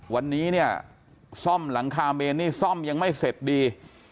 วันนี้เนี่ยซ่อมหลังคาเมนนี่ซ่อมยังไม่เสร็จดี